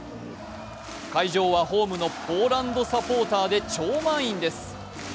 会場はホームのポーランドサポーターで超満員です。